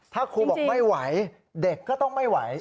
ถ้าครูบอกไม่ไหวเด็กก็ต้องไม่ไหว